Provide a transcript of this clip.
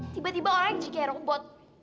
tiba tiba orangnya jadi kayak robot